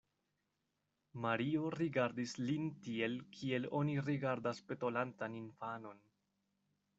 Mario rigardis lin tiel, kiel oni rigardas petolantan infanon.